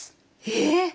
えっ！